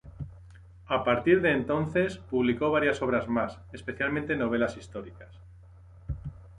A partir de entonces, publicó varias obras más, especialmente novelas históricas.